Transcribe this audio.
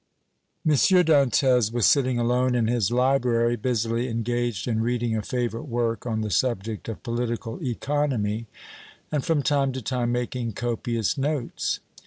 M. Dantès was sitting alone in his library, busily engaged in reading a favorite work on the subject of political economy, and from time to time making copious notes.